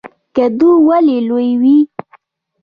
کدو ولې لوی وي؟